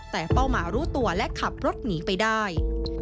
แต่เป้าหมายรู้ตัวและขับรถหนีไปได้